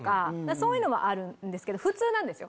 そういうのはあるんですけど普通なんですよ。